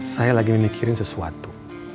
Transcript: saya lagi memikirin sesuatu